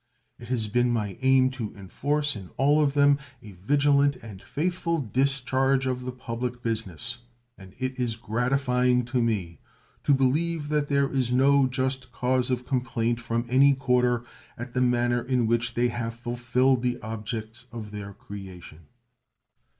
It has been my aim to enforce in all of them a vigilant and faithful discharge of the public business, and it is gratifying to me to believe that there is no just cause of complaint from any quarter at the manner in which they have fulfilled the objects of their creation.